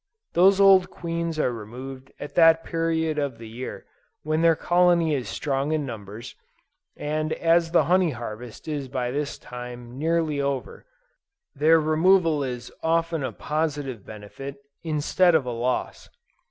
These old queens are removed at that period of the year when their colony is strong in numbers; and as the honey harvest is by this time, nearly over, their removal is often a positive benefit, instead of a loss.